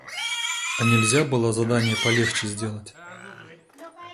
А нельзя было задания полегче сделать?